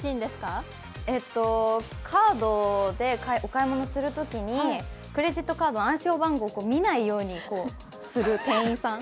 カートでお買い物するときにクレジットカードの暗証番号を見ないようにする店員さん？